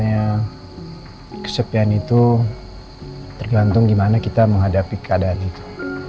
ya kesepian itu tergantung gimana kita menghadapi keadaan itu